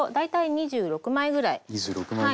２６枚ぐらい。